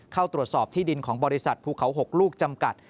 เข้าตรวจสอบที่ดินของบริษัทภูเขา๖ลูกจำกัด